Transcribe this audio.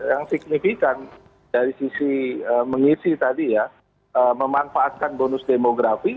yang signifikan dari sisi mengisi tadi ya memanfaatkan bonus demografi